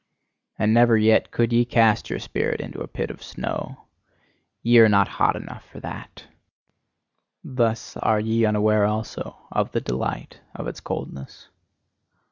And never yet could ye cast your spirit into a pit of snow: ye are not hot enough for that! Thus are ye unaware, also, of the delight of its coldness.